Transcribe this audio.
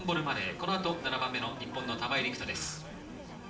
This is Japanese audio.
このあと日本の玉井陸斗です。